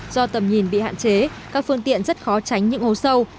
do tầm nhìn bị hạn chế các phương tiện rất khó tránh những hố sâu